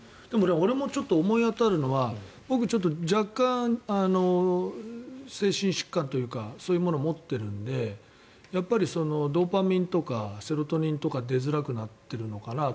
俺も思い当たるのは僕、若干、精神疾患というかそういうものを持っているのでドーパミンとかセロトニンとか出づらくなってるのかなと。